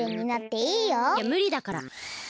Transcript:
いやむりだから。